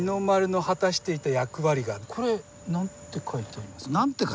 これ何て書いてありますか？